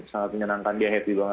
sangat menyenangkan dia happy banget